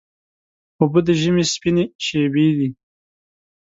اوبه د ژمي سپینې شېبې دي.